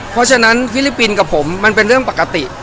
เพราะฉะนั้นฟิลิปปินส์กับผมมันเป็นเรื่องปกติ